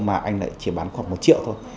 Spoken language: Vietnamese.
mà anh lại chỉ bán khoảng một triệu thôi